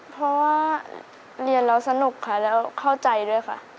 เพราะว่าเรียนแล้วสนุกค่ะแล้วเข้าใจด้วยค่ะ